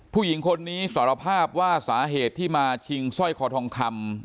ผู้หญิงคนนี้สารภาพว่าสาเหตุที่มาชิงสร้อยคอทองคำ